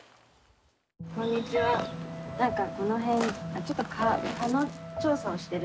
なんかこの辺ちょっとえっ？か？